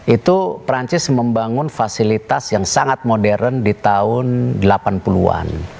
itu perancis membangun fasilitas yang sangat modern di tahun delapan puluh an